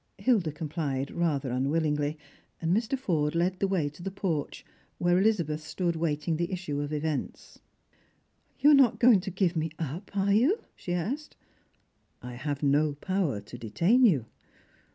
Hilda complied rather unwillingly, and Mr. Forde led the way to the porch, where Elizabeth stood waiting the issue of events. S4!4 Strangers and Pilgrimg. " You are not going to give me up, are you P " she asked. " I have no power to detain you."